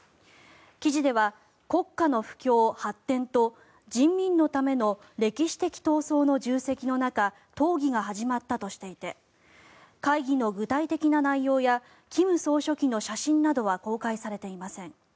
記事では、国家の富強・発展と人民のための歴史的闘争の重責の中討議が始まったとしていて会議の具体的な内容や金総書記の写真などは公開されていません。